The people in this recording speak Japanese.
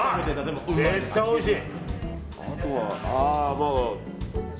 めっちゃおいしい。